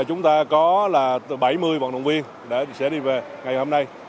chúng ta có là bảy mươi vận động viên sẽ đi về ngày hôm nay